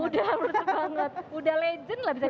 udah meresap banget udah legend lah bisa dibilang